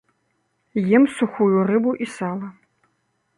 Ем сухую рыбу і сала.